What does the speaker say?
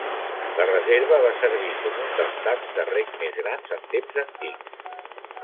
La reserva va servir com un dels tancs de reg més grans en temps antics.